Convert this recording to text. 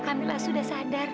kamilah sudah sadar